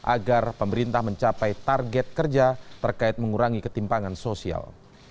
agar pemerintah mencapai target kerja terkait mengurangi ketimpangan sosial